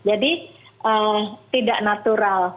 jadi tidak natural